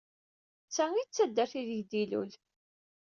D ta ay d taddart aydeg d-ilul.